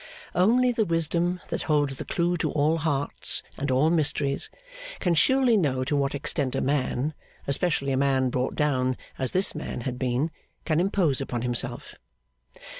Only the wisdom that holds the clue to all hearts and all mysteries, can surely know to what extent a man, especially a man brought down as this man had been, can impose upon himself.